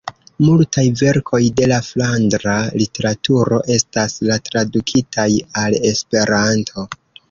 Multaj verkoj de la flandra literaturo estas tradukitaj al Esperanto.